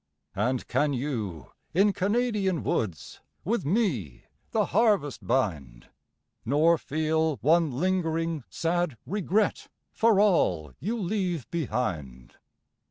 And can you in Canadian woods With me the harvest bind, Nor feel one lingering, sad regret For all you leave behind?